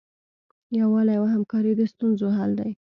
یووالی او همکاري د ستونزو حل دی.